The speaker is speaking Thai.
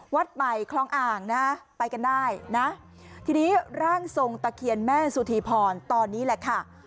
วัดใหม่คลองอ่างนะไปกันได้นะทีนี้ร่างทรงตะเคียนแม่สุธีพรตอนนี้แหละค่ะ